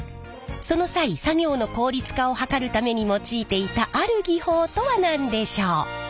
その際作業の効率化を図るために用いていたある技法とは何でしょう？